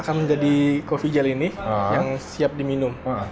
akan menjadi coffee gel ini yang siap diminum